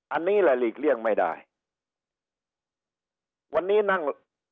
อันนี้แหละหลีกเลี่ยงไม่ได้วันนี้นั่ง